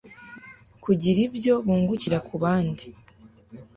kugira ibyo bungukira ku bandi.